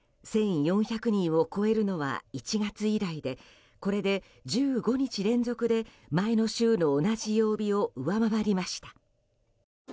１４００人を超えるのは１月以来でこれで１５日連続で前の週の同じ曜日を上回りました。